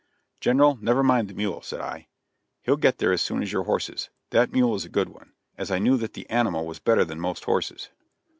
"General, never mind the mule," said I, "he'll get there as soon as your horses. That mule is a good one," as I knew that the animal was better than most horses.